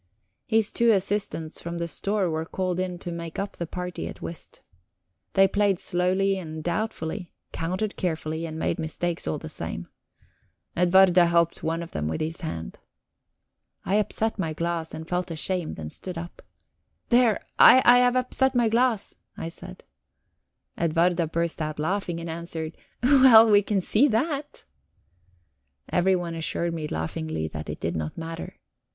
His two assistants from the store were called in to make up the party at whist. They played slowly and doubtfully, counted carefully, and made mistakes all the same. Edwarda helped one of them with his hand. I upset my glass, and felt ashamed, and stood up. "There I have upset my glass," I said. Edwarda burst out laughing, and answered: "Well, we can see that." Everyone assured me laughingly that it did not matter.